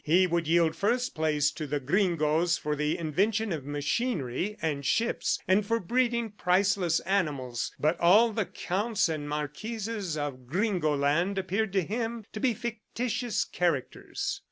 He would yield first place to the gringoes for the invention of machinery and ships, and for breeding priceless animals, but all the Counts and Marquises of Gringo land appeared to him to be fictitious characters.